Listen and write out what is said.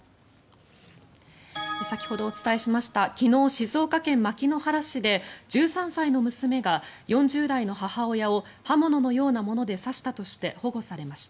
先ほどお伝えしました昨日、静岡県牧之原市で１３歳の娘が４０代の母親を刃物のようなもので刺したとして保護されました。